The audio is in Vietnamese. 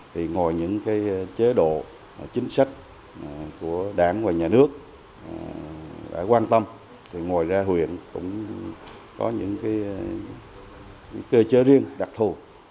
thì ngồi những cái chế độ chính sách của đảng và nhà nước đã quan tâm thì ngồi ra huyện cũng có những cái cơ chế riêng đặc thù